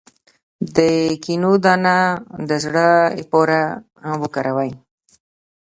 د کینو دانه د زړه لپاره وکاروئ